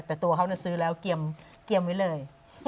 แต่ตัวเขาซื้อแล้วเตรียมไว้เลย